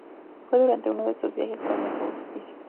Fue durante uno de esos viajes cuando acabó sus días.